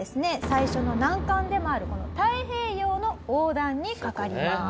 最初の難関でもあるこの太平洋の横断にかかります。